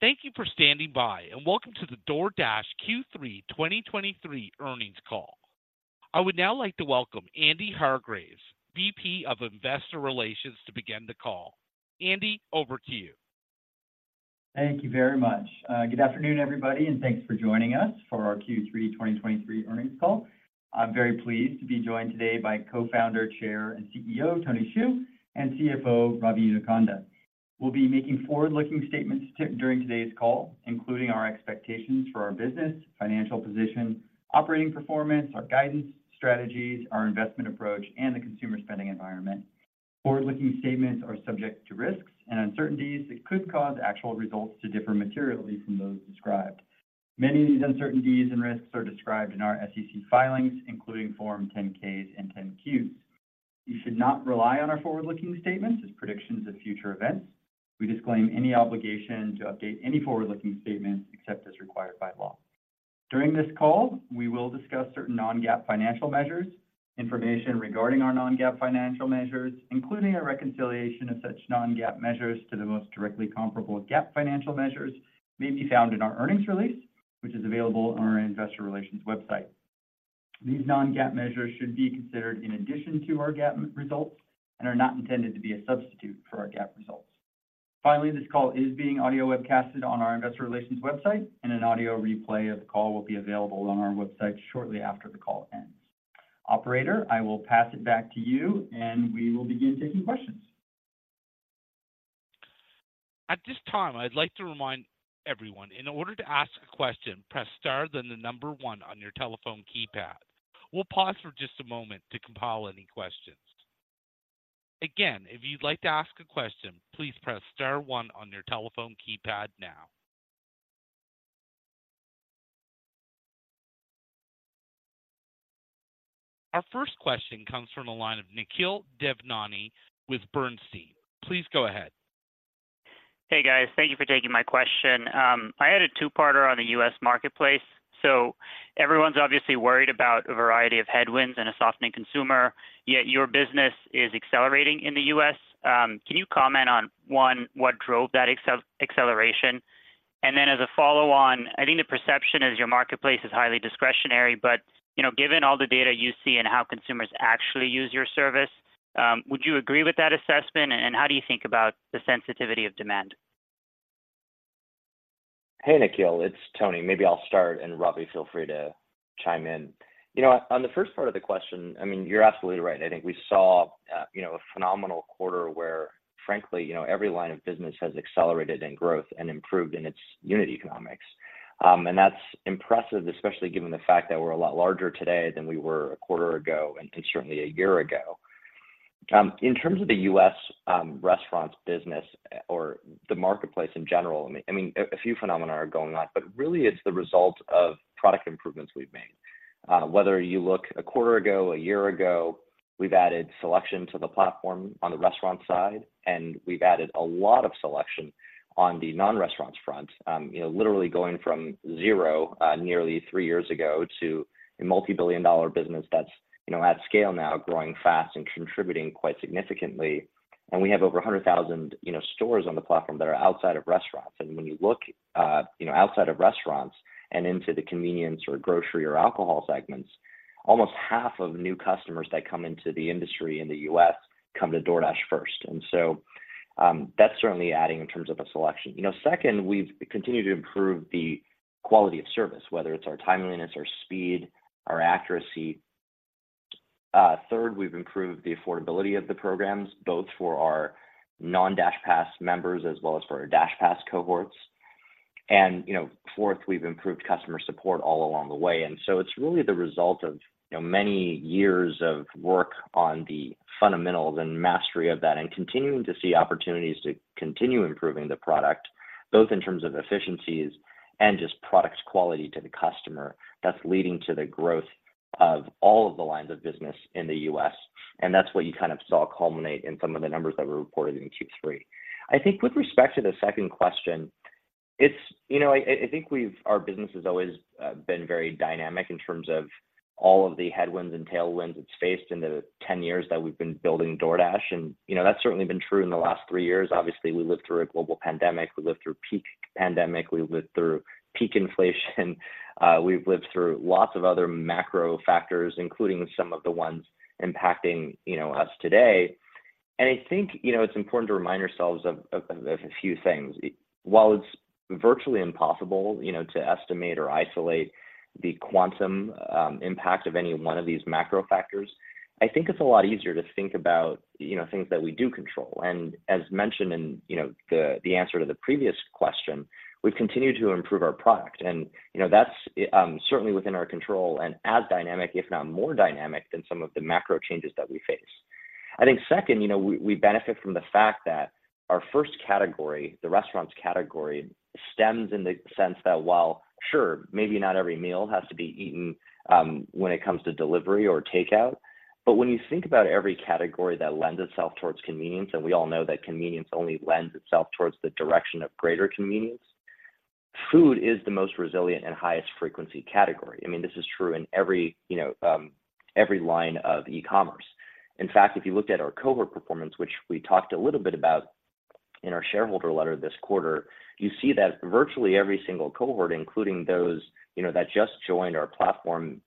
Thank you for standing by, and welcome to the DoorDash Q3 2023 earnings call. I would now like to welcome Andy Hargreaves, VP of Investor Relations, to begin the call. Andy, over to you. Thank you very much. Good afternoon, everybody, and thanks for joining us for our Q3 2023 earnings call. I'm very pleased to be joined today by Co-founder, Chair, and CEO, Tony Xu, and CFO, Ravi Inukonda. We'll be making forward-looking statements during today's call, including our expectations for our business, financial position, operating performance, our guidance, strategies, our investment approach, and the consumer spending environment. Forward-looking statements are subject to risks and uncertainties that could cause actual results to differ materially from those described. Many of these uncertainties and risks are described in our SEC filings, including Form 10-Ks and 10-Qs. You should not rely on our forward-looking statements as predictions of future events. We disclaim any obligation to update any forward-looking statements except as required by law. During this call, we will discuss certain non-GAAP financial measures. Information regarding our non-GAAP financial measures, including a reconciliation of such non-GAAP measures to the most directly comparable GAAP financial measures, may be found in our earnings release, which is available on our investor relations website. These non-GAAP measures should be considered in addition to our GAAP results and are not intended to be a substitute for our GAAP results. Finally, this call is being audio webcasted on our Investor Relations website, and an audio replay of the call will be available on our website shortly after the call ends. Operator, I will pass it back to you, and we will begin taking questions. At this time, I'd like to remind everyone, in order to ask a question, press star, then the number one on your telephone keypad. We'll pause for just a moment to compile any questions. Again, if you'd like to ask a question, please press star one on your telephone keypad now. Our first question comes from the line of Nikhil Devnani with Bernstein. Please go ahead. Hey, guys. Thank you for taking my question. I had a two-parter on the U.S. marketplace. So everyone's obviously worried about a variety of headwinds and a softening consumer, yet your business is accelerating in the U.S. Can you comment on, one, what drove that acceleration? And then as a follow-on, I think the perception is your marketplace is highly discretionary, but, you know, given all the data you see and how consumers actually use your service, would you agree with that assessment, and how do you think about the sensitivity of demand? Hey, Nikhil, it's Tony. Maybe I'll start, and, Ravi, feel free to chime in. You know what? On the first part of the question, I mean, you're absolutely right. I think we saw, you know, a phenomenal quarter where, frankly, you know, every line of business has accelerated in growth and improved in its unit economics. And that's impressive, especially given the fact that we're a lot larger today than we were a quarter ago, and certainly a year ago. In terms of the U.S. restaurants business, or the marketplace in general, I mean, a few phenomena are going on, but really it's the result of product improvements we've made. Whether you look a quarter ago, a year ago, we've added selection to the platform on the restaurant side, and we've added a lot of selection on the non-restaurants front. You know, literally going from zero nearly three years ago to a multi-billion dollar business that's, you know, at scale now, growing fast and contributing quite significantly. We have over 100,000, you know, stores on the platform that are outside of restaurants. When you look, you know, outside of restaurants and into the convenience or grocery or alcohol segments, almost half of new customers that come into the industry in the U.S. come to DoorDash first, and so that's certainly adding in terms of the selection. You know, second, we've continued to improve the quality of service, whether it's our timeliness, our speed, our accuracy. Third, we've improved the affordability of the programs, both for our non-DashPass members as well as for our DashPass cohorts. You know, fourth, we've improved customer support all along the way, and so it's really the result of, you know, many years of work on the fundamentals and mastery of that, and continuing to see opportunities to continue improving the product, both in terms of efficiencies and just product quality to the customer, that's leading to the growth of all of the lines of business in the U.S. And that's what you kind of saw culminate in some of the numbers that were reported in Q3. I think with respect to the second question, it's, you know, I think we've—our business has always been very dynamic in terms of all of the headwinds and tailwinds it's faced in the 10 years that we've been building DoorDash, and, you know, that's certainly been true in the last three years. Obviously, we lived through a global pandemic, we lived through peak pandemic, we lived through peak inflation, we've lived through lots of other macro factors, including some of the ones impacting, you know, us today. I think, you know, it's important to remind ourselves of, of, of a few things. While it's virtually impossible, you know, to estimate or isolate the quantum, impact of any one of these macro factors, I think it's a lot easier to think about, you know, things that we do control. As mentioned in, you know, the, the answer to the previous question, we've continued to improve our product, and, you know, that's certainly within our control, and as dynamic, if not more dynamic, than some of the macro changes that we face. I think second, you know, we benefit from the fact that our first category, the Restaurants category, stems in the sense that while, sure, maybe not every meal has to be eaten, when it comes to delivery or takeout, but when you think about every category that lends itself towards convenience, and we all know that convenience only lends itself towards the direction of greater convenience, food is the most resilient and highest frequency category. I mean, this is true in every, you know, every line of e-commerce. In fact, if you looked at our cohort performance, which we talked a little bit about in our shareholder letter this quarter, you see that virtually every single cohort, including those, you know, that just joined our platform,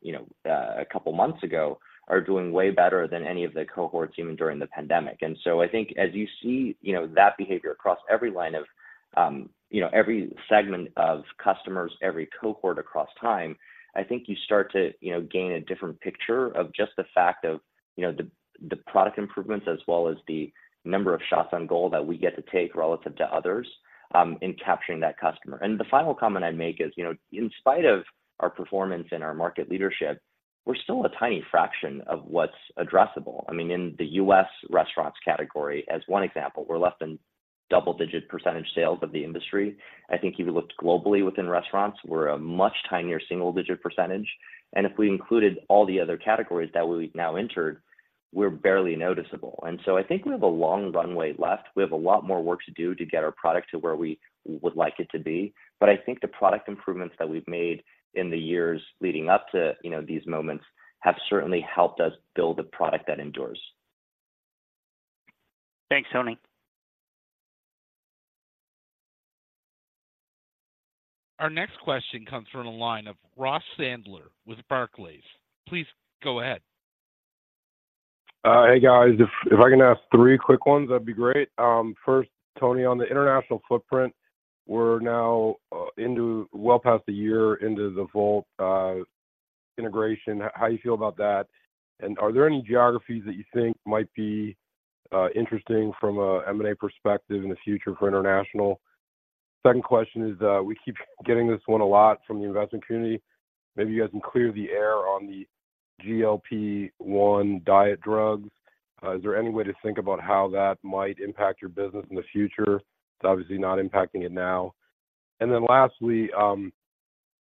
you know, a couple months ago, are doing way better than any of the cohorts even during the pandemic. I think as you see, you know, that behavior across every line of, you know, every segment of customers, every cohort across time, I think you start to, you know, gain a different picture of just the fact of, you know, the product improvements as well as the number of shots on goal that we get to take relative to others in capturing that customer. The final comment I'd make is, you know, in spite of our performance and our market leadership, we're still a tiny fraction of what's addressable. I mean, in the U.S. Restaurants category, as one example, we're less than double-digit percentage sales of the industry. I think if you looked globally within restaurants, we're a much tinier single-digit percentage, and if we included all the other categories that we've now entered, we're barely noticeable. So I think we have a long runway left. We have a lot more work to do to get our product to where we would like it to be, but I think the product improvements that we've made in the years leading up to, you know, these moments have certainly helped us build a product that endures. Thanks, Tony. Our next question comes from the line of Ross Sandler with Barclays. Please go ahead. Hey, guys. If I can ask three quick ones, that'd be great. First, Tony, on the international footprint, we're now into well past a year into the Wolt integration. How you feel about that? And are there any geographies that you think might be interesting from a M&A perspective in the future for international? Second question is, we keep getting this one a lot from the investment community. Maybe you guys can clear the air on the GLP-1 diet drugs. Is there any way to think about how that might impact your business in the future? It's obviously not impacting it now. And then lastly,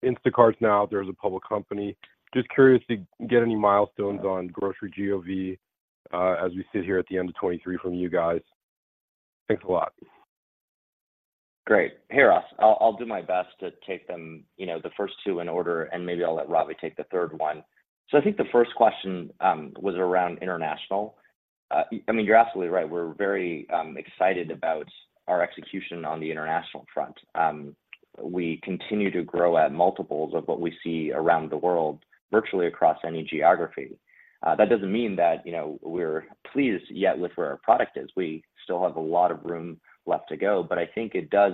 Instacart's now, there is a public company. Just curious to get any milestones on grocery GOV as we sit here at the end of 2023 from you guys. Thanks a lot. Great. Hey, Ross, I'll do my best to take them, you know, the first two in order, and maybe I'll let Ravi take the third one. So I think the first question was around international. I mean, you're absolutely right. We're very excited about our execution on the international front. We continue to grow at multiples of what we see around the world, virtually across any geography. That doesn't mean that, you know, we're pleased yet with where our product is. We still have a lot of room left to go, but I think it does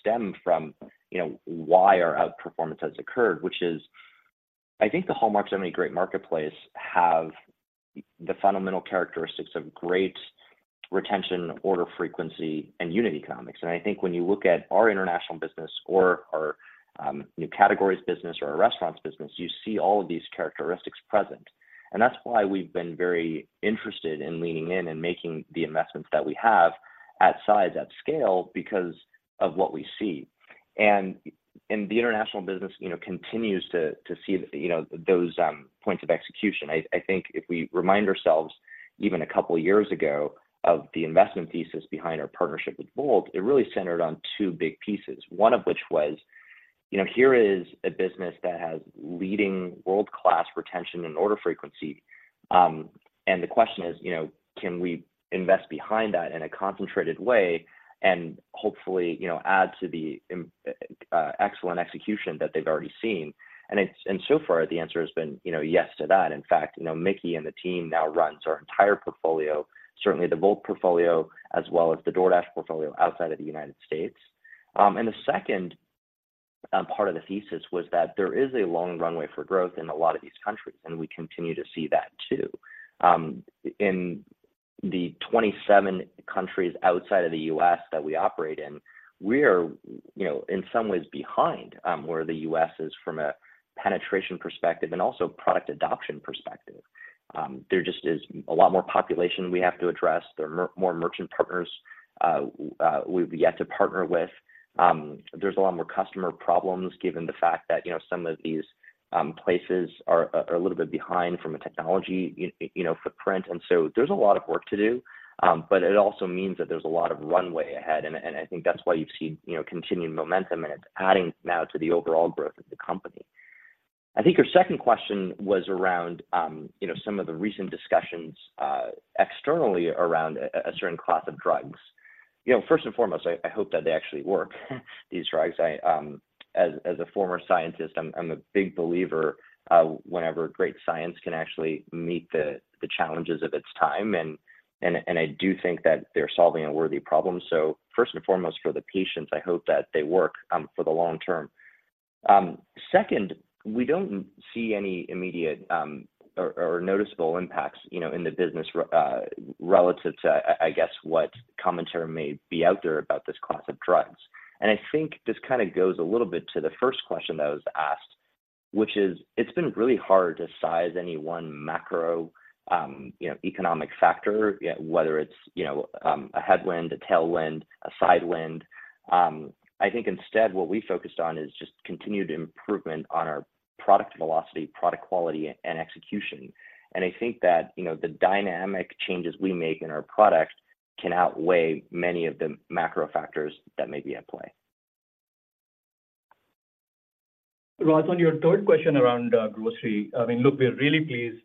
stem from, you know, why our outperformance has occurred, which is, I think the hallmarks of any great marketplace have the fundamental characteristics of great retention, order, frequency, and unit economics. And I think when you look at our international business or our new categories business or our restaurants business, you see all of these characteristics present. And that's why we've been very interested in leaning in and making the investments that we have at size, at scale, because of what we see. And the international business, you know, continues to see, you know, those points of execution. I think if we remind ourselves, even a couple of years ago, of the investment thesis behind our partnership with Wolt, it really centered on two big pieces. One of which was, you know, here is a business that has leading world-class retention and order frequency. And the question is, you know, can we invest behind that in a concentrated way and hopefully, you know, add to the excellent execution that they've already seen? And so far, the answer has been, you know, yes to that. In fact, you know, Miki and the team now runs our entire portfolio, certainly the Wolt portfolio, as well as the DoorDash portfolio outside of the United States. And the second part of the thesis was that there is a long runway for growth in a lot of these countries, and we continue to see that, too. In the 27 countries outside of the U.S. that we operate in, we are, you know, in some ways behind, where the U.S. is from a penetration perspective and also product adoption perspective. There just is a lot more population we have to address. There are more merchant partners we've yet to partner with. There's a lot more customer problems given the fact that, you know, some of these places are a little bit behind from a technology, you know, footprint. And so there's a lot of work to do, but it also means that there's a lot of runway ahead, and I think that's why you've seen, you know, continued momentum, and it's adding now to the overall growth of the company. I think your second question was around, you know, some of the recent discussions externally around a certain class of drugs. You know, first and foremost, I hope that they actually work, these drugs. I, as a former scientist, I'm a big believer whenever great science can actually meet the challenges of its time, and I do think that they're solving a worthy problem. So first and foremost, for the patients, I hope that they work for the long term. Second, we don't see any immediate or noticeable impacts, you know, in the business relative to, I guess, what commentary may be out there about this class of drugs. And I think this kinda goes a little bit to the first question that was asked, which is, it's been really hard to size any one macro, you know, economic factor, whether it's, you know, a headwind, a tailwind, a sidewind. I think instead, what we focused on is just continued improvement on our product velocity, product quality, and execution. And I think that, you know, the dynamic changes we make in our product can outweigh many of the macro factors that may be at play. Ross, on your third question around grocery, I mean, look, we're really pleased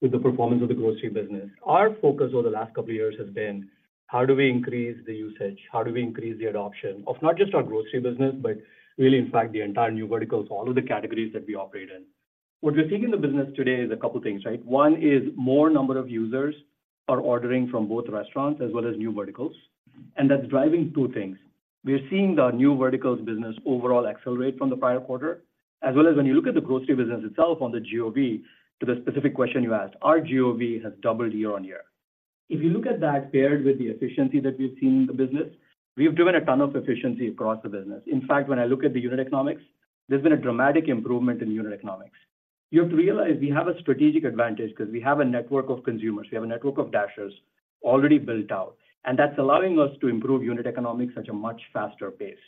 with the performance of the grocery business. Our focus over the last couple of years has been: how do we increase the usage? How do we increase the adoption of not just our grocery business, but really, in fact, the entire new verticals, all of the categories that we operate in? What we think in the business today is a couple things, right? One is more number of users are ordering from both restaurants as well as new verticals, and that's driving two things. We are seeing the new verticals business overall accelerate from the prior quarter, as well as when you look at the grocery business itself on the GOV, to the specific question you asked, our GOV has doubled year-on-year. If you look at that paired with the efficiency that we've seen in the business, we've driven a ton of efficiency across the business. In fact, when I look at the unit economics, there's been a dramatic improvement in unit economics. You have to realize we have a strategic advantage 'cause we have a network of consumers, we have a network of Dashers already built out, and that's allowing us to improve unit economics at a much faster pace.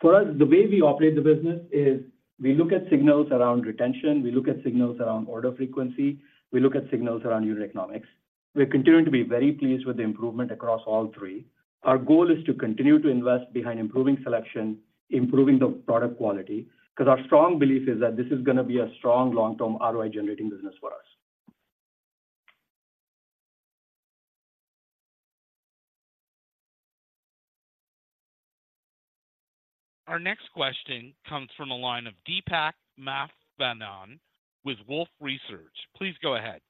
For us, the way we operate the business is we look at signals around retention, we look at signals around order frequency, we look at signals around unit economics. We're continuing to be very pleased with the improvement across all three. Our goal is to continue to invest behind improving selection, improving the product quality, 'cause our strong belief is that this is going to be a strong long-term ROI-generating business for us. Our next question comes from the line of Deepak Mathivanan with Wolfe Research. Please go ahead.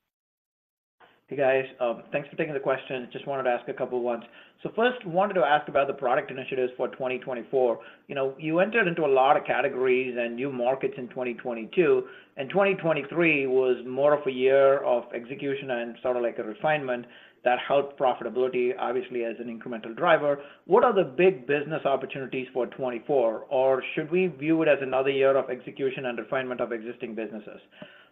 Hey, guys. Thanks for taking the question. Just wanted to ask a couple of ones. So first, wanted to ask about the product initiatives for 2024. You know, you entered into a lot of categories and new markets in 2022, and 2023 was more of a year of execution and sort of like a refinement that helped profitability, obviously, as an incremental driver. What are the big business opportunities for 2024, or should we view it as another year of execution and refinement of existing businesses?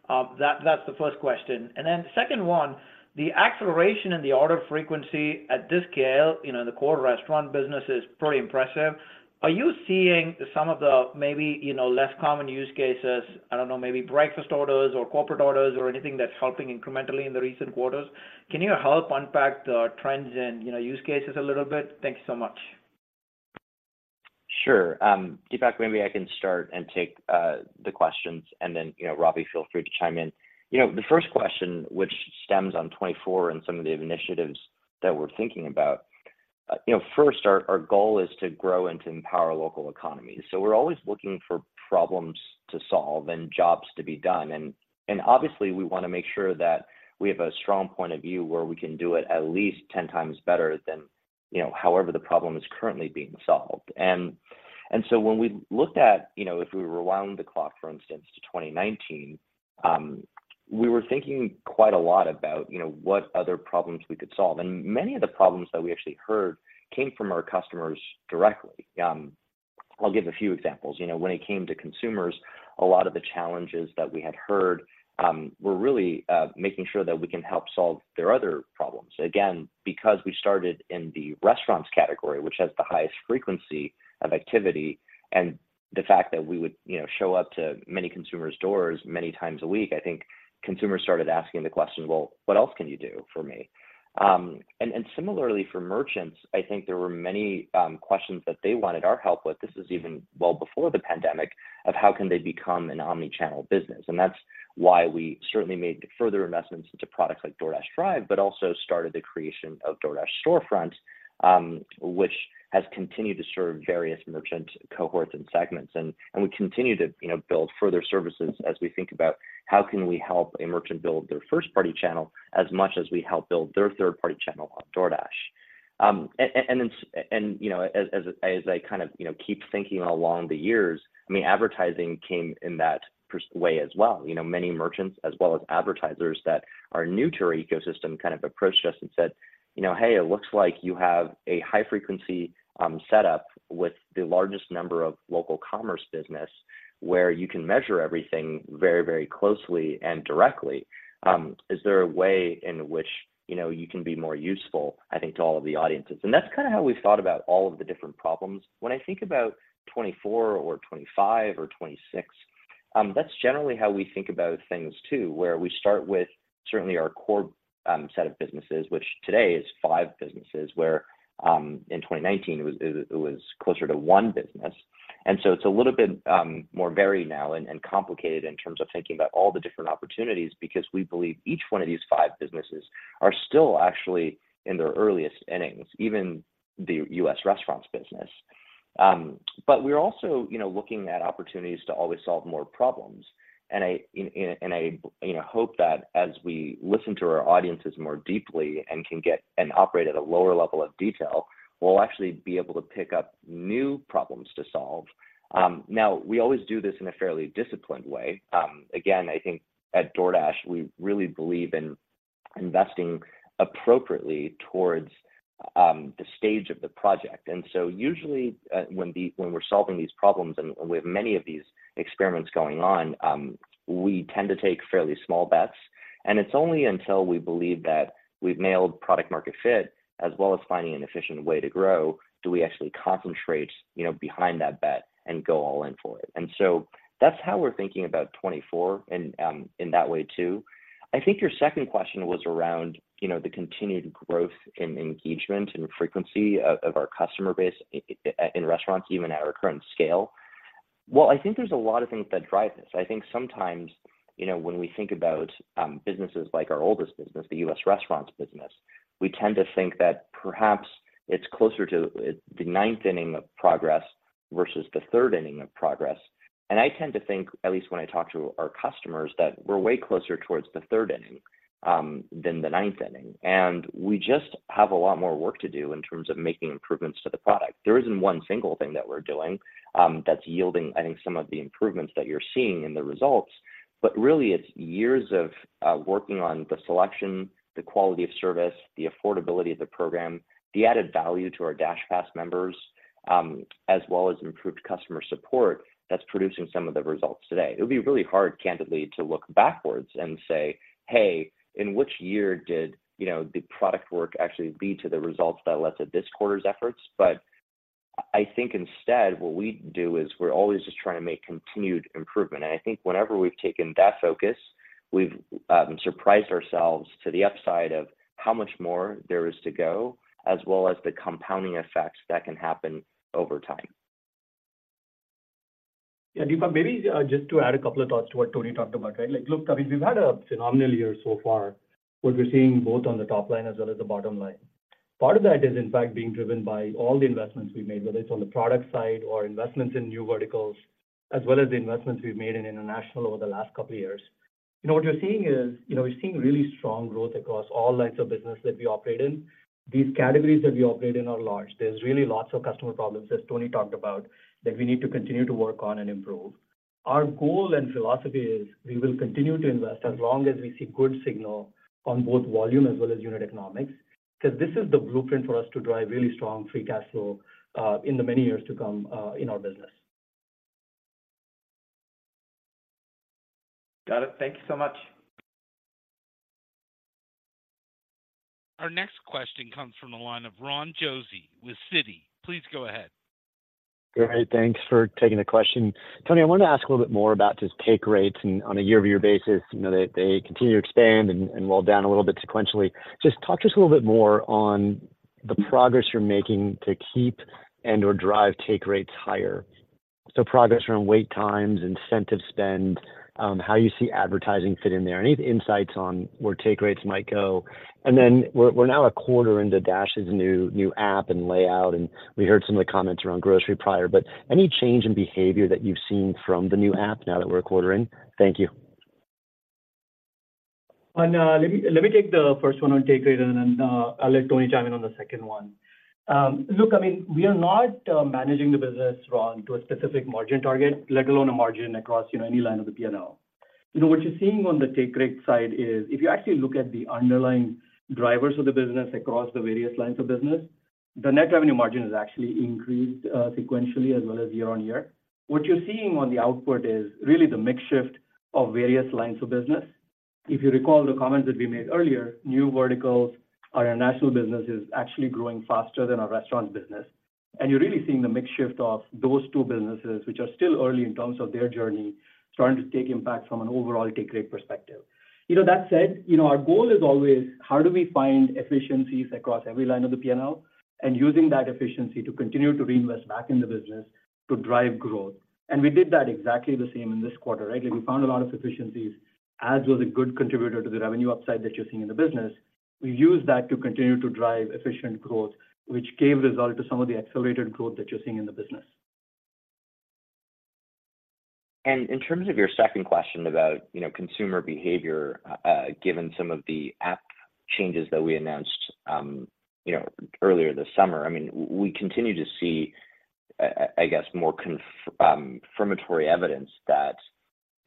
That, that's the first question. And then second one, the acceleration in the order frequency at this scale, you know, the core restaurant business is pretty impressive. Are you seeing some of the maybe, you know, less common use cases, I don't know, maybe breakfast orders or corporate orders or anything that's helping incrementally in the recent quarters? Can you help unpack the trends and, you know, use cases a little bit? Thank you so much. Sure. Deepak, maybe I can start and take the questions and then, you know, Ravi, feel free to chime in. You know, the first question, which stems on 2024 and some of the initiatives that we're thinking about, you know, first, our goal is to grow and to empower local economies. So we're always looking for problems to solve and jobs to be done. And obviously, we want to make sure that we have a strong point of view where we can do it at least 10 times better than, you know, however the problem is currently being solved. And so when we looked at, you know, if we rewound the clock, for instance, to 2019, we were thinking quite a lot about, you know, what other problems we could solve. Many of the problems that we actually heard came from our customers directly. I'll give a few examples. You know, when it came to consumers, a lot of the challenges that we had heard were really making sure that we can help solve their other problems. Again, because we started in the Restaurants category, which has the highest frequency of activity, and the fact that we would, you know, show up to many consumers' doors many times a week, I think consumers started asking the question: "Well, what else can you do for me?" And similarly for merchants, I think there were many questions that they wanted our help with, this is even well before the pandemic, of how can they become an omni-channel business? And that's why we certainly made further investments into products like DoorDash Drive, but also started the creation of DoorDash Storefront, which has continued to serve various merchant cohorts and segments. And we continue to, you know, build further services as we think about how can we help a merchant build their first-party channel as much as we help build their third-party channel on DoorDash. You know, as I kind of, you know, keep thinking along the years, I mean, advertising came in that perspective way as well. You know, many merchants, as well as advertisers that are new to our ecosystem, kind of approached us and said: "You know, hey, it looks like you have a high-frequency setup with the largest number of local commerce business, where you can measure everything very, very closely and directly. Is there a way in which, you know, you can be more useful, I think, to all of the audiences?" And that's kind of how we've thought about all of the different problems. When I think about 2024 or 2025 or 2026, that's generally how we think about things, too, where we start with certainly our core set of businesses, which today is five businesses, where in 2019, it was closer to one business. And so it's a little bit more varied now and complicated in terms of thinking about all the different opportunities, because we believe each one of these five businesses are still actually in their earliest innings, even the U.S. restaurants business. But we're also, you know, looking at opportunities to always solve more problems. And I, you know, hope that as we listen to our audiences more deeply and can get... and operate at a lower level of detail, we'll actually be able to pick up new problems to solve. Now, we always do this in a fairly disciplined way. Again, I think at DoorDash, we really believe in investing appropriately towards the stage of the project. And so usually, when we're solving these problems, and we have many of these experiments going on, we tend to take fairly small bets, and it's only until we believe that we've nailed product market fit, as well as finding an efficient way to grow, do we actually concentrate, you know, behind that bet and go all in for it. And so that's how we're thinking about 2024 and, in that way, too. I think your second question was around, you know, the continued growth in engagement and frequency of our customer base in restaurants, even at our current scale. Well, I think there's a lot of things that drive this. I think sometimes, you know, when we think about businesses like our oldest business, the U.S. restaurants business, we tend to think that perhaps it's closer to the ninth inning of progress versus the third inning of progress. And I tend to think, at least when I talk to our customers, that we're way closer towards the third inning than the ninth inning, and we just have a lot more work to do in terms of making improvements to the product. There isn't one single thing that we're doing that's yielding, I think, some of the improvements that you're seeing in the results. But really, it's years of working on the selection, the quality of service, the affordability of the program, the added value to our DashPass members, as well as improved customer support, that's producing some of the results today. It would be really hard, candidly, to look backwards and say, "Hey, in which year did, you know, the product work actually lead to the results that led to this quarter's efforts?" But I think instead, what we do is we're always just trying to make continued improvement. And I think whenever we've taken that focus, we've surprised ourselves to the upside of how much more there is to go, as well as the compounding effects that can happen over time. Yeah, Deepak, maybe just to add a couple of thoughts to what Tony talked about, right? Like, look, I mean, we've had a phenomenal year so far, what we're seeing both on the top line as well as the bottom line. Part of that is, in fact, being driven by all the investments we've made, whether it's on the product side or investments in new verticals, as well as the investments we've made in international over the last couple of years. You know, what you're seeing is, you know, we're seeing really strong growth across all lines of business that we operate in. These categories that we operate in are large. There's really lots of customer problems, as Tony talked about, that we need to continue to work on and improve. Our goal and philosophy is we will continue to invest as long as we see good signal on both volume as well as unit economics, 'cause this is the blueprint for us to drive really strong free cash flow, in the many years to come, in our business. Got it. Thank you so much. Our next question comes from the line of Ron Josey with Citi. Please go ahead. Great, thanks for taking the question. Tony, I wanted to ask a little bit more about just take rates and on a year-over-year basis, you know, they continue to expand and roll down a little bit sequentially. Just talk to us a little bit more on the progress you're making to keep and/or drive take rates higher. So progress around wait times, incentive spend, how you see advertising fit in there, any insights on where take rates might go. And then we're now a quarter into Dash's new app and layout, and we heard some of the comments around grocery prior, but any change in behavior that you've seen from the new app now that we're a quarter in? Thank you. Let me, let me take the first one on take rate, and then, I'll let Tony chime in on the second one. Look, I mean, we are not managing the business, Ron, to a specific margin target, let alone a margin across, you know, any line of the P&L. You know, what you're seeing on the take rate side is, if you actually look at the underlying drivers of the business across the various lines of business, the net revenue margin has actually increased, sequentially as well as year-over-year. What you're seeing on the output is really the mix shift of various lines of business. If you recall the comments that we made earlier, new verticals, our international business is actually growing faster than our restaurant business. You're really seeing the mix shift of those two businesses, which are still early in terms of their journey, starting to take impact from an overall take rate perspective. You know, that said, you know, our goal is always: how do we find efficiencies across every line of the P&L, and using that efficiency to continue to reinvest back in the business to drive growth? We did that exactly the same in this quarter, right? Like, we found a lot of efficiencies. Ads was a good contributor to the revenue upside that you're seeing in the business. We used that to continue to drive efficient growth, which gave result to some of the accelerated growth that you're seeing in the business. In terms of your second question about, you know, consumer behavior, given some of the app changes that we announced, you know, earlier this summer, I mean, we continue to see, I guess, more confirmatory evidence that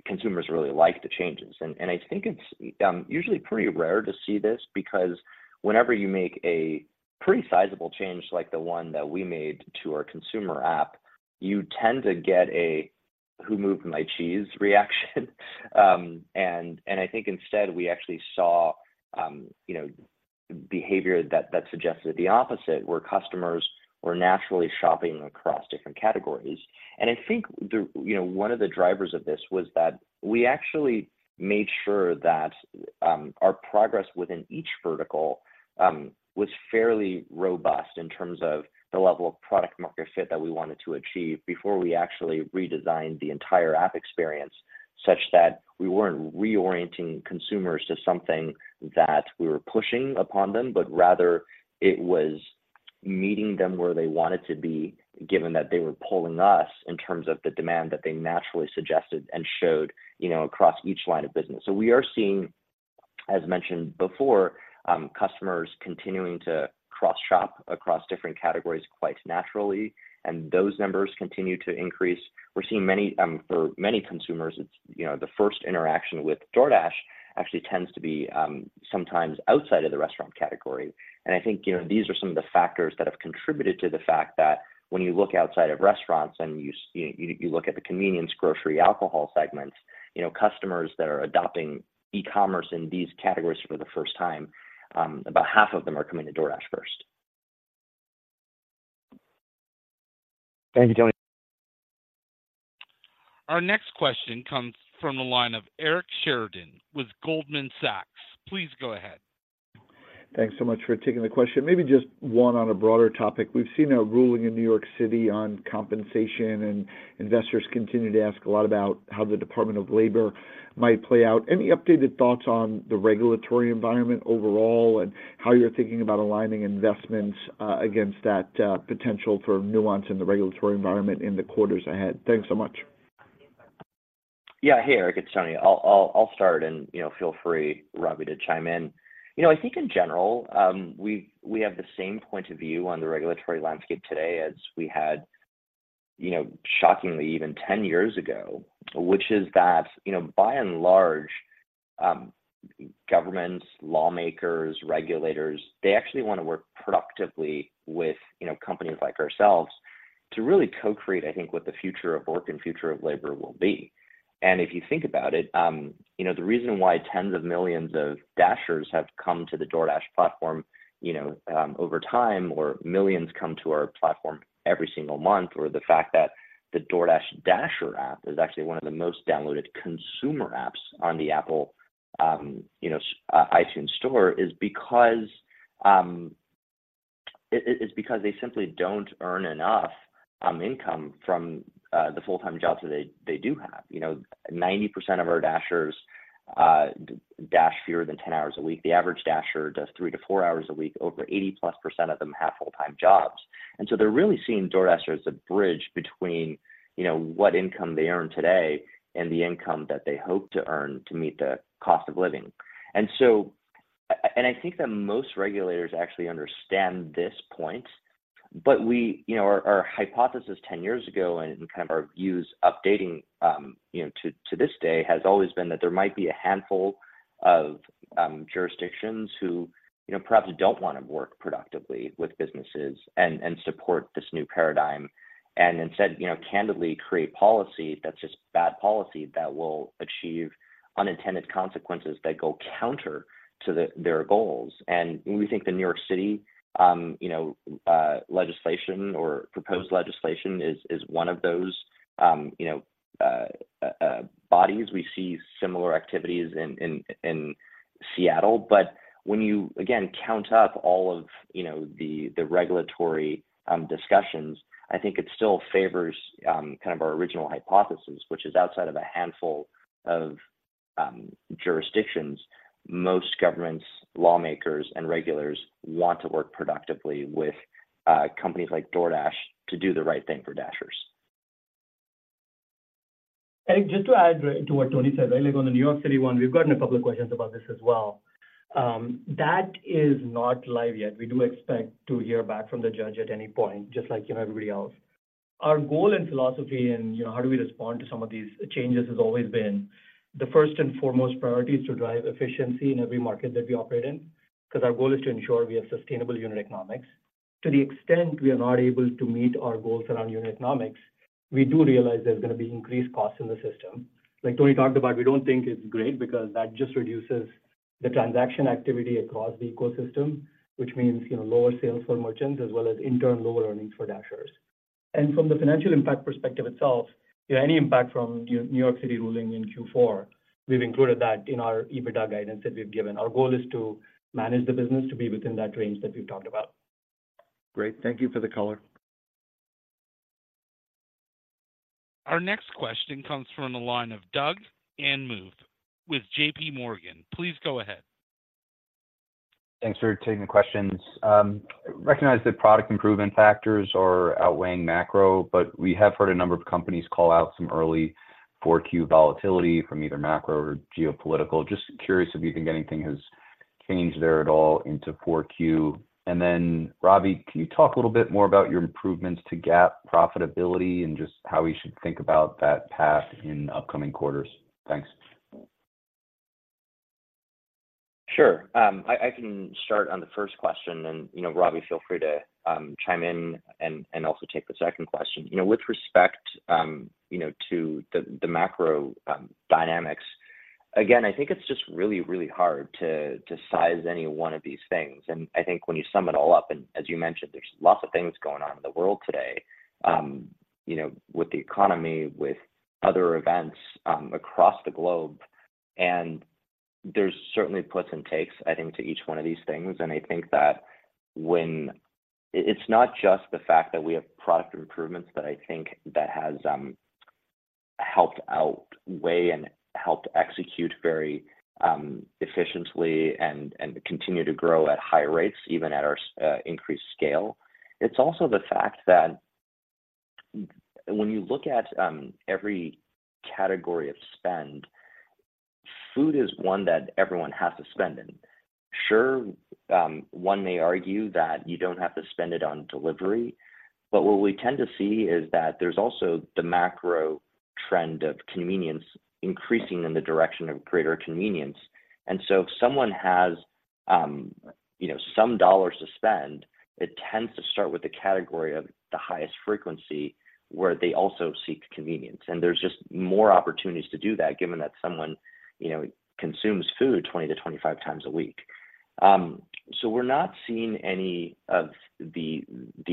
consumers really like the changes. I think it's usually pretty rare to see this, because whenever you make a pretty sizable change, like the one that we made to our consumer app, you tend to get a "Who moved my cheese?" reaction. I think instead, we actually saw, you know, behavior that suggested the opposite, where customers were naturally shopping across different categories. And I think the... You know, one of the drivers of this was that we actually made sure that, our progress within each vertical, was fairly robust in terms of the level of product market fit that we wanted to achieve before we actually redesigned the entire app experience, such that we weren't reorienting consumers to something that we were pushing upon them, but rather it was meeting them where they wanted to be, given that they were pulling us in terms of the demand that they naturally suggested and showed, you know, across each line of business. So we are seeing, as mentioned before, customers continuing to cross-shop across different categories quite naturally, and those numbers continue to increase. We're seeing many, for many consumers, it's, you know, the first interaction with DoorDash actually tends to be, sometimes outside of the restaurant category. I think, you know, these are some of the factors that have contributed to the fact that when you look outside of restaurants and you look at the convenience grocery, alcohol segments, you know, customers that are adopting e-commerce in these categories for the first time, about half of them are coming to DoorDash first. Thank you, Tony. Our next question comes from the line of Eric Sheridan with Goldman Sachs. Please go ahead. Thanks so much for taking the question. Maybe just one on a broader topic. We've seen a ruling in New York City on compensation, and investors continue to ask a lot about how the Department of Labor might play out. Any updated thoughts on the regulatory environment overall, and how you're thinking about aligning investments against that potential for nuance in the regulatory environment in the quarters ahead? Thanks so much. Yeah. Hey, Eric, it's Tony. I'll start, and, you know, feel free, Ravi, to chime in. You know, I think in general, we have the same point of view on the regulatory landscape today as we had, you know, shockingly, even 10 years ago, which is that, you know, by and large, governments, lawmakers, regulators, they actually want to work productively with, you know, companies like ourselves to really co-create, I think, what the future of work and future of labor will be. And if you think about it, you know, the reason why tens of millions of Dashers have come to the DoorDash platform, you know, over time, or millions come to our platform every single month, or the fact that the DoorDash Dasher App is actually one of the most downloaded consumer apps on the Apple iTunes Store, is because it's because they simply don't earn enough income from the full-time jobs that they do have. You know, 90% of our Dashers dash fewer than 10 hours a week. The average Dasher does 3 hours-4 hours a week. Over 80%+ of them have full-time jobs. And so they're really seeing DoorDash as a bridge between, you know, what income they earn today and the income that they hope to earn to meet the cost of living. And so, and I think that most regulators actually understand this point, but we, you know, our hypothesis ten years ago and kind of our views updating, you know, to this day, has always been that there might be a handful of jurisdictions who, you know, perhaps don't want to work productively with businesses and support this new paradigm, and instead, you know, candidly create policy that's just bad policy that will achieve unintended consequences that go counter to their goals. And we think the New York City, you know, legislation or proposed legislation is one of those, you know, bodies. We see similar activities in Seattle. But when you, again, count up all of, you know, the regulatory discussions, I think it still favors kind of our original hypothesis, which is outside of a handful of jurisdictions, most governments, lawmakers, and regulators want to work productively with companies like DoorDash to do the right thing for Dashers. Eric, just to add to what Tony said, right? Like, on the New York City one, we've gotten a couple of questions about this as well. That is not live yet. We do expect to hear back from the judge at any point, just like, you know, everybody else. Our goal and philosophy and, you know, how do we respond to some of these changes has always been, the first and foremost priority is to drive efficiency in every market that we operate in, 'cause our goal is to ensure we have sustainable unit economics. To the extent we are not able to meet our goals around unit economics, we do realize there's going to be increased costs in the system. Like Tony talked about, we don't think it's great because that just reduces the transaction activity across the ecosystem, which means, you know, lower sales for merchants, as well as, in turn, lower earnings for Dashers. And from the financial impact perspective itself, you know, any impact from New York City ruling in Q4, we've included that in our EBITDA guidance that we've given. Our goal is to manage the business to be within that range that we've talked about. Great. Thank you for the color. Our next question comes from the line of Doug Anmuth with J.P. Morgan. Please go ahead. Thanks for taking the questions. Recognize that product improvement factors are outweighing macro, but we have heard a number of companies call out some early 4Q volatility from either macro or geopolitical. Just curious if you think anything has changed there at all into 4Q. And then, Ravi, can you talk a little bit more about your improvements to GAAP profitability and just how we should think about that path in upcoming quarters? Thanks. Sure. I can start on the first question and, you know, Ravi, feel free to chime in and also take the second question. You know, with respect, you know, to the macro dynamics, again, I think it's just really, really hard to size any one of these things. And I think when you sum it all up, and as you mentioned, there's lots of things going on in the world today, you know, with the economy, with other events across the globe, and there's certainly plus and takes, I think, to each one of these things. And I think that when... It's not just the fact that we have product improvements, but I think that has helped outweigh and helped execute very efficiently and continue to grow at high rates, even at our increased scale. It's also the fact that when you look at every category of spend, food is one that everyone has to spend in. Sure, one may argue that you don't have to spend it on delivery, but what we tend to see is that there's also the macro trend of convenience increasing in the direction of greater convenience. And so if someone has, you know, some dollars to spend, it tends to start with the category of the highest frequency, where they also seek convenience. And there's just more opportunities to do that, given that someone, you know, consumes food 20-25 times a week. So we're not seeing any of the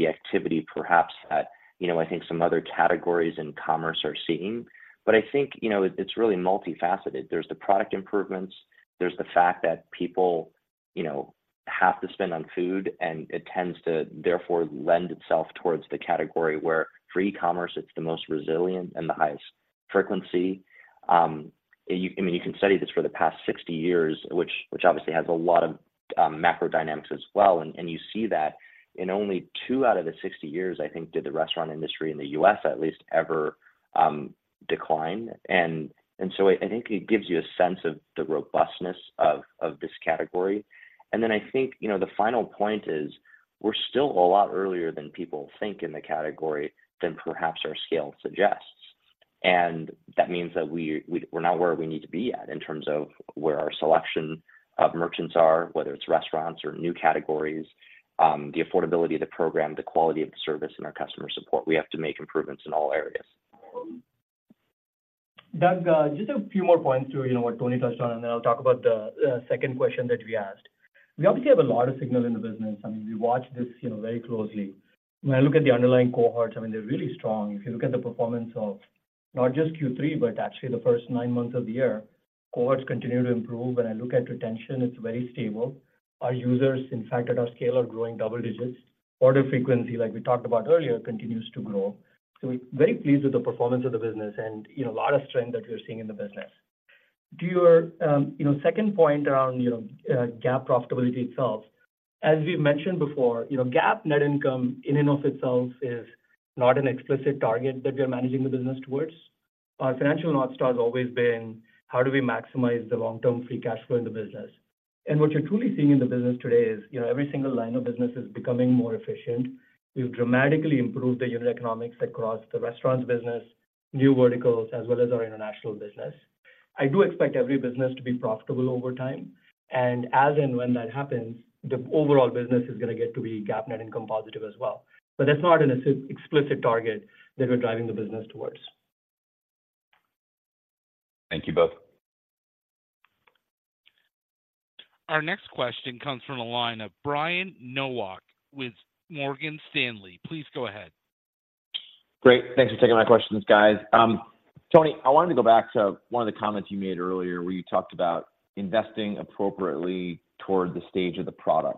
activity, perhaps that you know, I think some other categories in commerce are seeing, but I think, you know, it, it's really multifaceted. There's the product improvements, there's the fact that people, you know, have to spend on food, and it tends to therefore lend itself towards the category where for e-commerce, it's the most resilient and the highest frequency. You, I mean, you can study this for the past 60 years, which obviously has a lot of macro dynamics as well. And you see that in only two out of the 60 years, I think, did the restaurant industry in the U.S. at least ever decline. And so I think it gives you a sense of the robustness of this category. And then I think, you know, the final point is, we're still a lot earlier than people think in the category than perhaps our scale suggests. That means that we're not where we need to be at in terms of where our selection of merchants are, whether it's restaurants or new categories, the affordability of the program, the quality of the service, and our customer support. We have to make improvements in all areas. Doug, just a few more points to, you know, what Tony touched on, and then I'll talk about the second question that we asked. We obviously have a lot of signal in the business. I mean, we watch this, you know, very closely. When I look at the underlying cohorts, I mean, they're really strong. If you look at the performance of not just Q3, but actually the first nine months of the year, cohorts continue to improve. When I look at retention, it's very stable. Our users, in fact, at our scale, are growing double digits. Order frequency, like we talked about earlier, continues to grow. So we're very pleased with the performance of the business and, you know, a lot of strength that we're seeing in the business. To your, you know, second point around, you know, GAAP profitability itself, as we've mentioned before, you know, GAAP net income in and of itself is not an explicit target that we are managing the business towards. Our financial North Star has always been: how do we maximize the long-term free cash flow in the business? And what you're truly seeing in the business today is, you know, every single line of business is becoming more efficient. We've dramatically improved the unit economics across the restaurants business, new verticals, as well as our international business. I do expect every business to be profitable over time, and as and when that happens, the overall business is going to get to be GAAP net income positive as well. But that's not an explicit target that we're driving the business towards. Thank you both. Our next question comes from the line of Brian Nowak with Morgan Stanley. Please go ahead. Great. Thanks for taking my questions, guys. Tony, I wanted to go back to one of the comments you made earlier, where you talked about investing appropriately toward the stage of the product.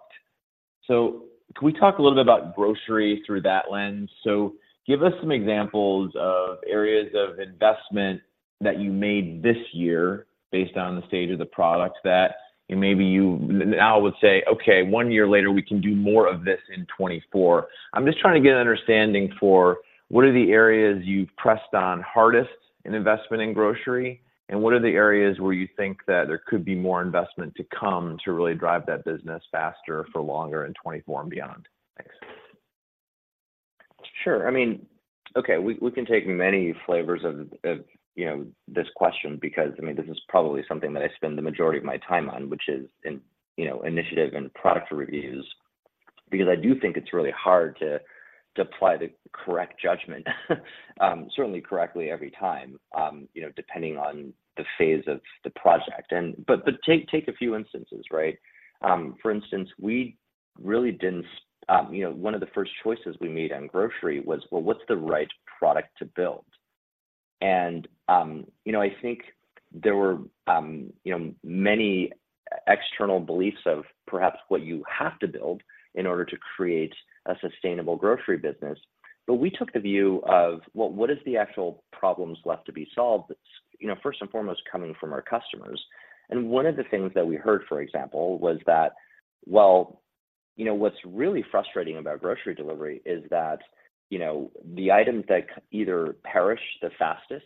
So can we talk a little bit about grocery through that lens? So give us some examples of areas of investment that you made this year based on the stage of the product that maybe you now would say, "Okay, one year later, we can do more of this in 2024." I'm just trying to get an understanding for what are the areas you've pressed on hardest in investment in grocery, and what are the areas where you think that there could be more investment to come to really drive that business faster for longer in 2024 and beyond? Thanks. Sure. I mean, okay, we can take many flavors of, you know, this question because, I mean, this is probably something that I spend the majority of my time on, which is in, you know, initiative and product reviews, because I do think it's really hard to apply the correct judgment, certainly correctly every time, you know, depending on the phase of the project. But take a few instances, right? For instance, we really didn't. You know, one of the first choices we made on grocery was, well, what's the right product to build? And, you know, I think there were, you know, many external beliefs of perhaps what you have to build in order to create a sustainable grocery business. But we took the view of, well, what is the actual problems left to be solved, that's, you know, first and foremost, coming from our customers? And one of the things that we heard, for example, was that, well, you know, what's really frustrating about grocery delivery is that, you know, the items that either perish the fastest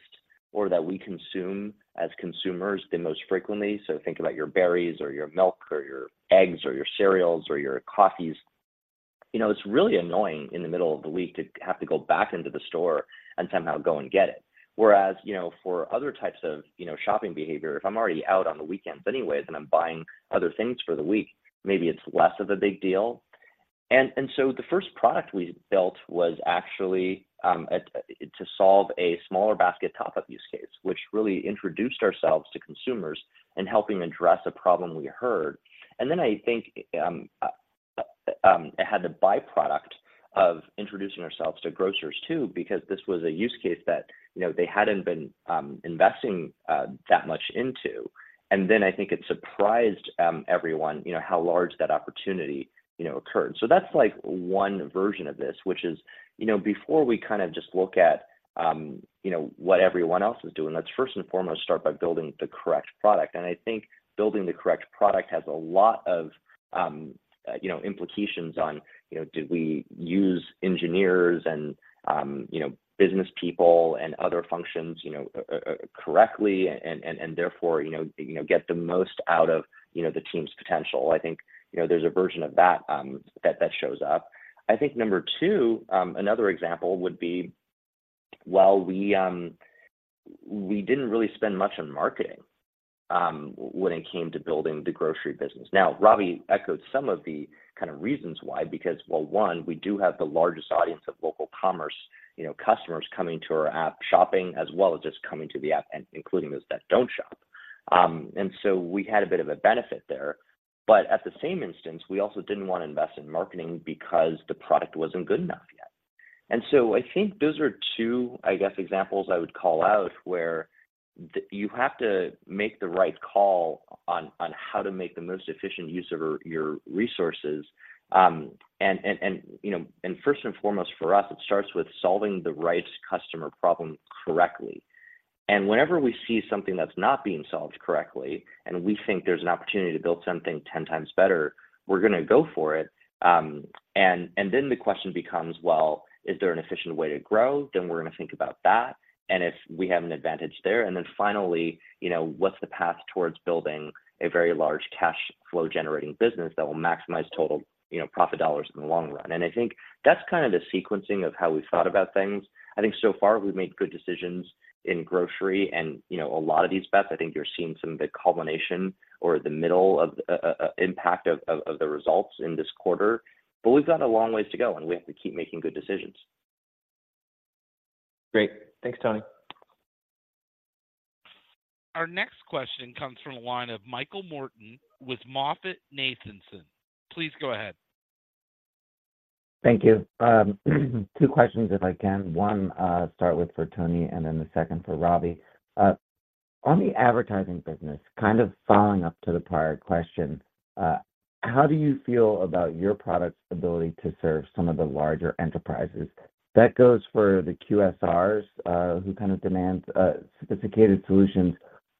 or that we consume as consumers the most frequently, so think about your berries or your milk or your eggs or your cereals or your coffees, you know, it's really annoying in the middle of the week to have to go back into the store and somehow go and get it. Whereas, you know, for other types of, you know, shopping behavior, if I'm already out on the weekends anyways and I'm buying other things for the week, maybe it's less of a big deal. And so the first product we built was actually, at, to solve a smaller basket top-up use case, which really introduced ourselves to consumers in helping address a problem we heard. And then I think, it had the byproduct of introducing ourselves to grocers, too, because this was a use case that, you know, they hadn't been, investing, that much into. And then I think it surprised, everyone, you know, how large that opportunity, you know, occurred. So that's like one version of this, which is, you know, before we kind of just look at, you know, what everyone else is doing, let's first and foremost start by building the correct product. I think building the correct product has a lot of, you know, implications on, you know, do we use engineers and, you know, business people and other functions, you know, correctly and therefore, you know, get the most out of, you know, the team's potential? I think, you know, there's a version of that that shows up. I think number two, another example would be, well, we didn't really spend much on marketing when it came to building the grocery business. Now, Ravi echoed some of the kind of reasons why, because, well, one, we do have the largest audience of local commerce, you know, customers coming to our app, shopping, as well as just coming to the app and including those that don't shop. We had a bit of a benefit there. At the same instance, we also didn't want to invest in marketing because the product wasn't good enough yet. I think those are two, I guess, examples I would call out, where you have to make the right call on how to make the most efficient use of your resources. You know, first and foremost, for us, it starts with solving the right customer problem correctly. Whenever we see something that's not being solved correctly, and we think there's an opportunity to build something 10 times better, we're gonna go for it. Then the question becomes: Well, is there an efficient way to grow? We're gonna think about that, and if we have an advantage there. And then finally, you know, what's the path towards building a very large cash flow-generating business that will maximize total, you know, profit dollars in the long run? And I think that's kind of the sequencing of how we've thought about things. I think so far, we've made good decisions in grocery and, you know, a lot of these bets, I think you're seeing some of the culmination or the middle of impact of the results in this quarter. But we've got a long ways to go, and we have to keep making good decisions. Great. Thanks, Tony. Our next question comes from the line of Michael Morton with MoffettNathanson. Please go ahead. Thank you. Two questions, if I can. One, start with for Tony, and then the second for Ravi. On the advertising business, kind of following up to the prior question, how do you feel about your product's ability to serve some of the larger enterprises? That goes for the QSRs, who kind of demand sophisticated solutions,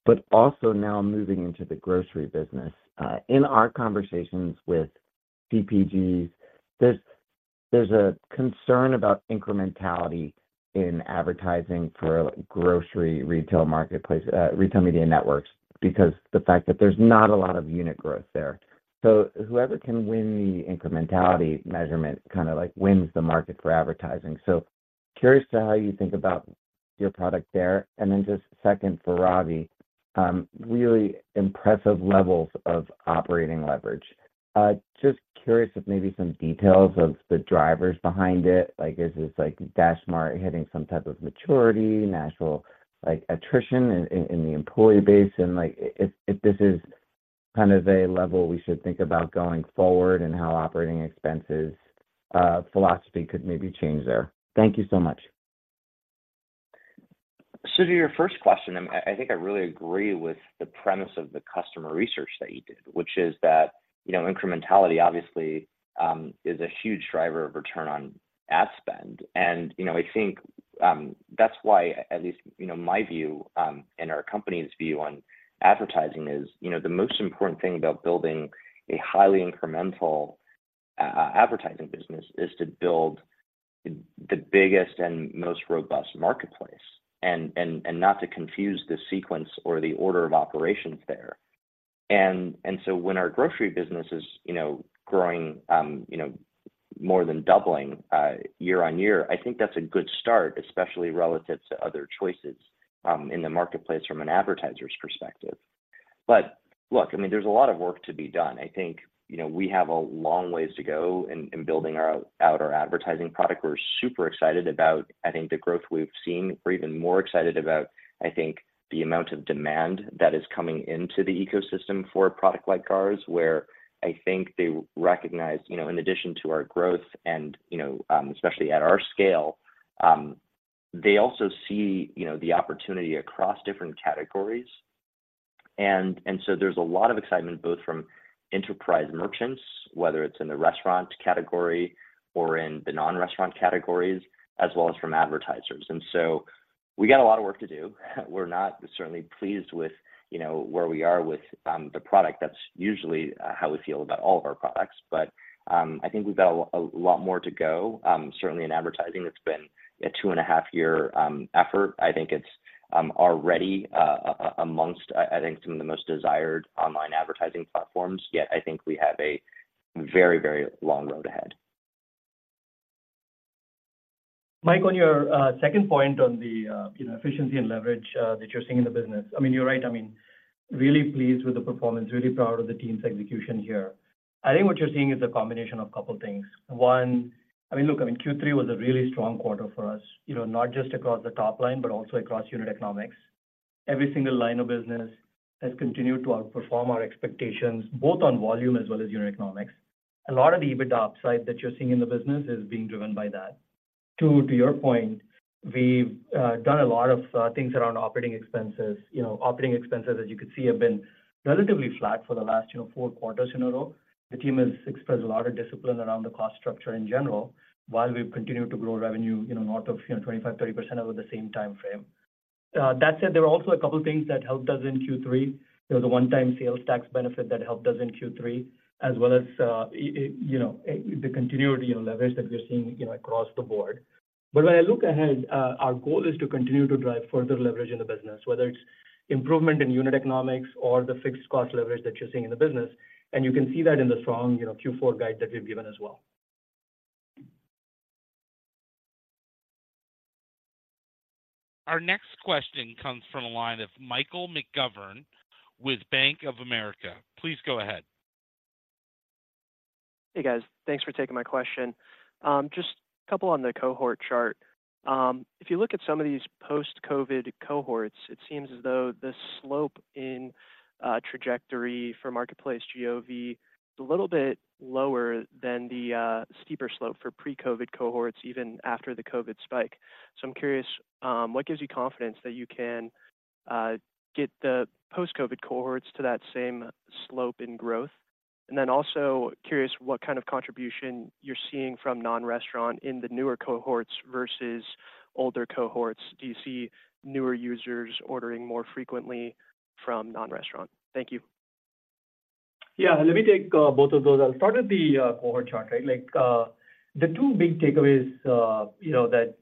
but also now moving into the grocery business. In our conversations with CPGs, there's a concern about incrementality in advertising for grocery, retail marketplace, retail media networks, because the fact that there's not a lot of unit growth there. So whoever can win the incrementality measurement, kind of like, wins the market for advertising. So curious to how you think about your product there. And then just second, for Ravi, really impressive levels of operating leverage. Just curious if maybe some details of the drivers behind it. Like, is this, like, DashMart hitting some type of maturity, natural, like, attrition in the employee base, and, like, if this is kind of a level we should think about going forward and how operating expenses philosophy could maybe change there. Thank you so much. So to your first question, I, I think I really agree with the premise of the customer research that you did, which is that, you know, incrementality obviously is a huge driver of return on ad spend. And, you know, I think that's why, at least, you know, my view and our company's view on advertising is: You know, the most important thing about building a highly incremental advertising business is to build the biggest and most robust marketplace, and, and, and not to confuse the sequence or the order of operations there. And, and so when our grocery business is, you know, growing, you know, more than doubling year-over-year, I think that's a good start, especially relative to other choices in the marketplace from an advertiser's perspective. But look, I mean, there's a lot of work to be done. I think, you know, we have a long ways to go in building out our advertising product. We're super excited about, I think, the growth we've seen. We're even more excited about, I think, the amount of demand that is coming into the ecosystem for a product like ours, where I think they recognize, you know, in addition to our growth and, you know, especially at our scale, they also see, you know, the opportunity across different categories. And so there's a lot of excitement, both from enterprise merchants, whether it's in the restaurant category or in the non-restaurant categories, as well as from advertisers. And so we got a lot of work to do. We're not certainly pleased with, you know, where we are with the product. That's usually how we feel about all of our products. But I think we've got a lot more to go. Certainly in advertising, it's been a 2.5-year effort. I think it's already among some of the most desired online advertising platforms, yet I think we have a very, very long road ahead. Mike, on your second point on the, you know, efficiency and leverage that you're seeing in the business, I mean, you're right. I mean, really pleased with the performance, really proud of the team's execution here. I think what you're seeing is a combination of couple things. One, I mean, look, I mean, Q3 was a really strong quarter for us, you know, not just across the top line, but also across unit economics. Every single line of business has continued to outperform our expectations, both on volume as well as unit economics. A lot of the EBITDA upside that you're seeing in the business is being driven by that. Two, to your point, we've done a lot of things around operating expenses. You know, operating expenses, as you can see, have been relatively flat for the last, you know, four quarters in a row. The team has expressed a lot of discipline around the cost structure in general, while we've continued to grow revenue, you know, north of 25%-30% over the same time frame. That said, there are also a couple of things that helped us in Q3. There was a one-time sales tax benefit that helped us in Q3, as well as, you know, the continuity and leverage that we're seeing, you know, across the board. But when I look ahead, our goal is to continue to drive further leverage in the business, whether it's improvement in unit economics or the fixed cost leverage that you're seeing in the business, and you can see that in the strong, you know, Q4 guide that we've given as well. Our next question comes from a line of Michael McGovern with Bank of America. Please go ahead. Hey, guys. Thanks for taking my question. Just a couple on the cohort chart. If you look at some of these post-COVID cohorts, it seems as though the slope in trajectory for marketplace GOV is a little bit lower than the steeper slope for pre-COVID cohorts, even after the COVID spike. So I'm curious, what gives you confidence that you can get the post-COVID cohorts to that same slope in growth? And then also curious what kind of contribution you're seeing from non-restaurant in the newer cohorts versus older cohorts. Do you see newer users ordering more frequently from non-restaurant? Thank you. Yeah, let me take both of those. I'll start with the cohort chart, right? Like, the two big takeaways, you know, that,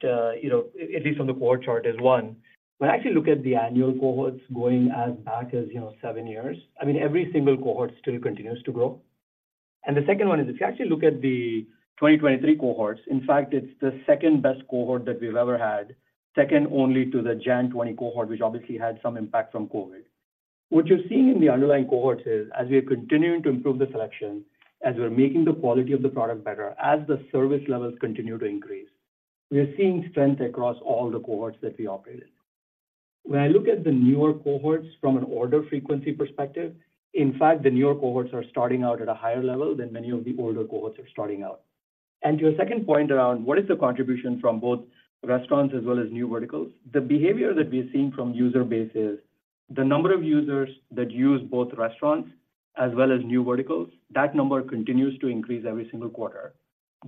you know, at least from the cohort chart, is, one, when I actually look at the annual cohorts going as back as, you know, seven years, I mean, every single cohort still continues to grow. And the second one is, if you actually look at the 2023 cohorts, in fact, it's the second-best cohort that we've ever had, second only to the Jan 2020 cohort, which obviously had some impact from COVID. What you're seeing in the underlying cohorts is, as we are continuing to improve the selection, as we're making the quality of the product better, as the service levels continue to increase, we are seeing strength across all the cohorts that we operate in. When I look at the newer cohorts from an order frequency perspective, in fact, the newer cohorts are starting out at a higher level than many of the older cohorts are starting out. And to your second point around what is the contribution from both restaurants as well as new verticals, the behavior that we're seeing from user base is the number of users that use both restaurants as well as new verticals, that number continues to increase every single quarter.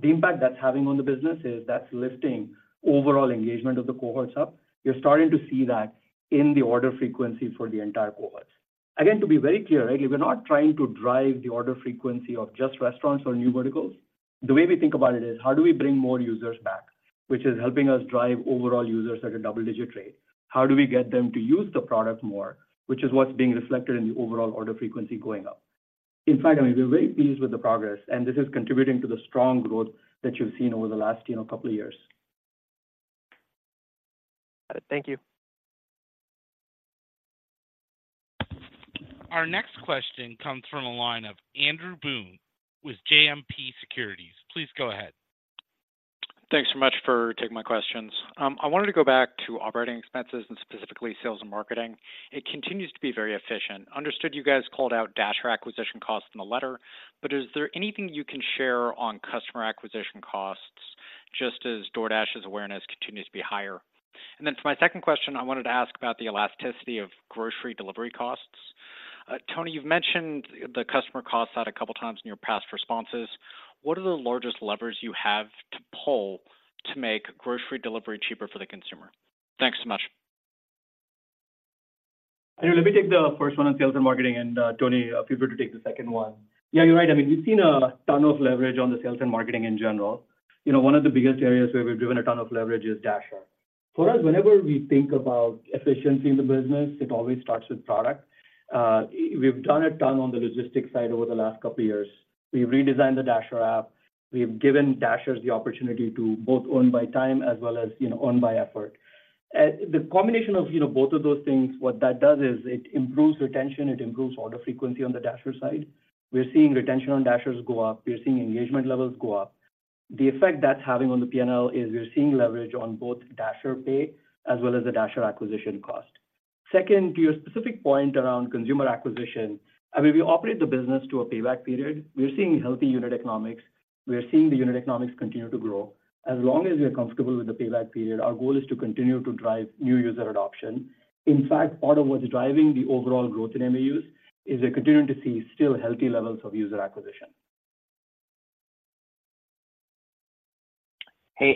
The impact that's having on the business is that's lifting overall engagement of the cohorts up. You're starting to see that in the order frequency for the entire cohorts. Again, to be very clear, right, we're not trying to drive the order frequency of just restaurants or new verticals. The way we think about it is, how do we bring more users back? Which is helping us drive overall users at a double-digit rate. How do we get them to use the product more, which is what's being reflected in the overall order frequency going up. In fact, I mean, we're very pleased with the progress, and this is contributing to the strong growth that you've seen over the last, you know, couple of years. Got it. Thank you. Our next question comes from the line of Andrew Boone with JMP Securities. Please go ahead. Thanks so much for taking my questions. I wanted to go back to operating expenses and specifically sales and marketing. It continues to be very efficient. Understood you guys called out Dasher acquisition costs in the letter, but is there anything you can share on customer acquisition costs, just as DoorDash's awareness continues to be higher? And then for my second question, I wanted to ask about the elasticity of grocery delivery costs. Tony, you've mentioned the customer cost side a couple of times in your past responses. What are the largest levers you have to pull to make grocery delivery cheaper for the consumer? Thanks so much. Andrew, let me take the first one on sales and marketing, and, Tony, feel free to take the second one. Yeah, you're right. I mean, we've seen a ton of leverage on the sales and marketing in general. You know, one of the biggest areas where we've driven a ton of leverage is Dasher. For us, whenever we think about efficiency in the business, it always starts with product. We've done a ton on the logistics side over the last couple of years. We've redesigned the Dasher app, we've given Dashers the opportunity to both Earn by Time as well as, you know, Earn per Offer. The combination of, you know, both of those things, what that does is it improves retention, it improves order frequency on the Dasher side. We're seeing retention on Dashers go up. We're seeing engagement levels go up. The effect that's having on the P&L is we're seeing leverage on both Dasher pay as well as the Dasher acquisition cost. Second, to your specific point around consumer acquisition, I mean, we operate the business to a payback period. We're seeing healthy unit economics. We are seeing the unit economics continue to grow. As long as we are comfortable with the payback period, our goal is to continue to drive new user adoption. In fact, part of what's driving the overall growth in MAUs is we're continuing to see still healthy levels of user acquisition. Hey,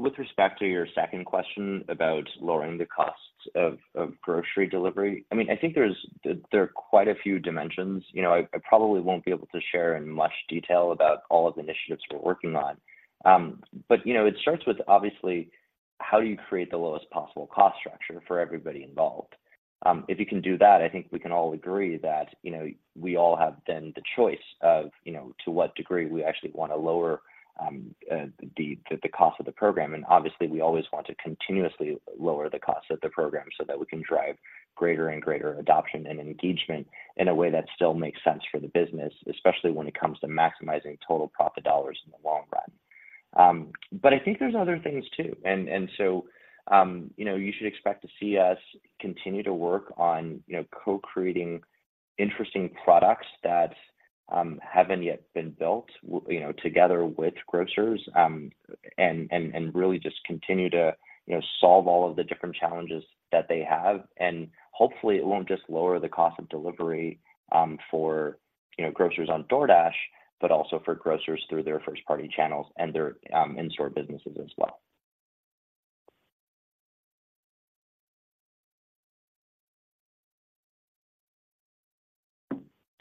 with respect to your second question about lowering the costs of grocery delivery, I mean, I think there are quite a few dimensions. You know, I probably won't be able to share in much detail about all of the initiatives we're working on. But, you know, it starts with, obviously, how do you create the lowest possible cost structure for everybody involved? If you can do that, I think we can all agree that, you know, we all have then the choice of, you know, to what degree we actually want to lower the cost of the program. Obviously, we always want to continuously lower the cost of the program so that we can drive greater and greater adoption and engagement in a way that still makes sense for the business, especially when it comes to maximizing total profit dollars in the long run. But I think there's other things too, and so, you know, you should expect to see us continue to work on, you know, co-creating interesting products that haven't yet been built, you know, together with grocers, and really just continue to, you know, solve all of the different challenges that they have. Hopefully, it won't just lower the cost of delivery, for, you know, grocers on DoorDash, but also for grocers through their first-party channels and their in-store businesses as well.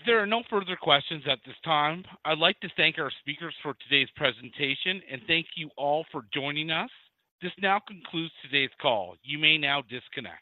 There are no further questions at this time. I'd like to thank our speakers for today's presentation, and thank you all for joining us. This now concludes today's call. You may now disconnect.